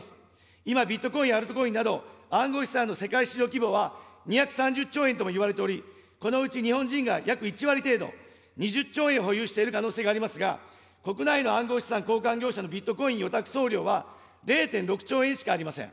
今、ビットコイン、アルトコインなど暗号資産の世界市場規模は２３０兆円ともいわれており、このうち日本人が２０兆円保有している可能性がありますが、国内の暗号資産交換会社のビットコイン預託総量は０．６兆円しかありません。